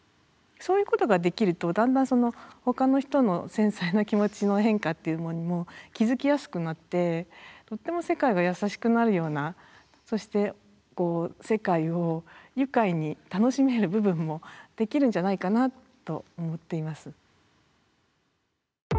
そういうことができるとだんだんそのほかの人の繊細な気持ちの変化っていうのにも気付きやすくなってとっても世界が優しくなるようなそしてこう世界を愉快に楽しめる部分もできるんじゃないかなと思っています。